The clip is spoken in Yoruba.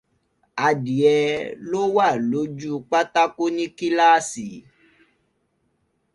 Adìẹ ló wà lójú pátákó ní kíláàsì.